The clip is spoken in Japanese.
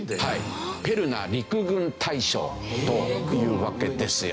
ペルナ陸軍大将というわけですよ。